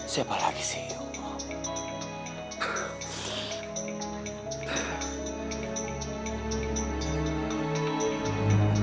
siapa lagi sih